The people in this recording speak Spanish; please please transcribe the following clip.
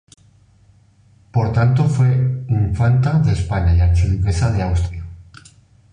Por tanto fue infanta de España y archiduquesa de Austria.